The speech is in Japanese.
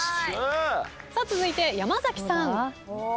続いて山崎さん。